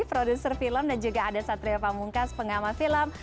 produser film dan juga ada satria pamungkas pengamah film